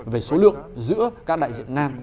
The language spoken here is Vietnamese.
về số lượng giữa các đại diện nam